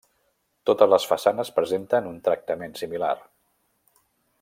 Totes les façanes presenten un tractament similar.